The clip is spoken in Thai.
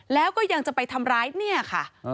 แล้วก็ยังจะไปทำร้ายเนี่ยค่ะ